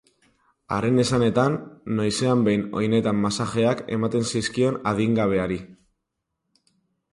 Haren esanetan, noizean behin oinetan masajeak ematen zizkion adingabeari.